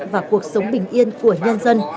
và cuộc sống bình yên của nhân dân